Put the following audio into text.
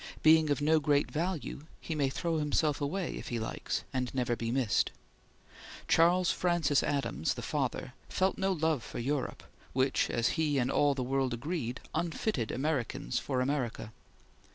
Being of no great value, he may throw himself away if he likes, and never be missed. Charles Francis Adams, the father, felt no love for Europe, which, as he and all the world agreed, unfitted Americans for America.